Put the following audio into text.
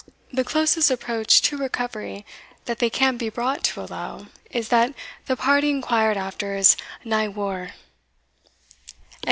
The closest approach to recovery which they can be brought to allow, is, that the pairty inquired after is "Nae waur."